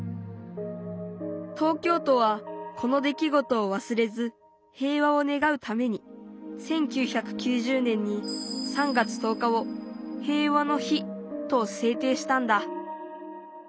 東京都はこの出来事をわすれず平和をねがうために１９９０年に３月１０日を「平和の日」と制定したんだ。